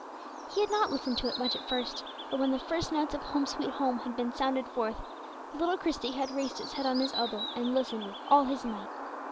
He had not listened to it much at first, but when the first notes of "Home, sweet Home," had been sounded forth, little Christie had raised his head on his elbow, and listened with all his might.